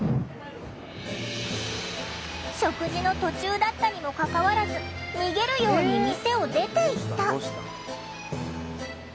食事の途中だったにもかかわらず逃げるように店を出ていった。